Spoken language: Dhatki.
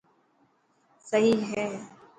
سهي هي،